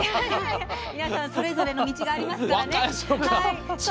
皆さん、それぞれの道がありますからね。